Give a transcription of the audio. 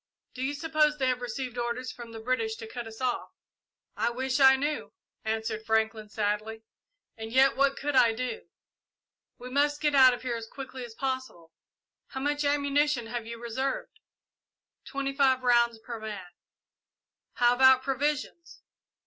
Do you suppose they have received orders from the British to cut us off?" "I wish I knew," answered Franklin, sadly; "and yet what could I do?" "We must get out of here as quickly as possible. How much ammunition have you reserved?" "Twenty five rounds per man." "How about provisions?"